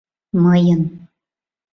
— Мыйын...